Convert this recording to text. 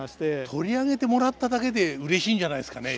取り上げてもらっただけでうれしいんじゃないですかね